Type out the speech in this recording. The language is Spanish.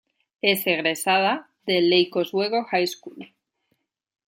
Es egresada de "Lake Oswego High School".